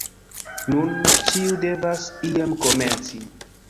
Nun, ĉiu devas iam komenci